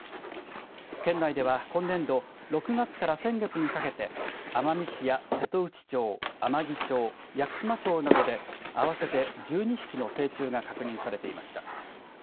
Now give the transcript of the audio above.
県内では今年度６月から先月にかけて奄美市や瀬戸内町天城町、屋久島町などで合わせて１２匹の成虫が確認されていました。